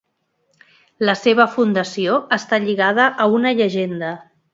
La seva fundació està lligada a una llegenda.